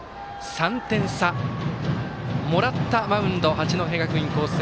３点差もらったマウンド、八戸学院光星。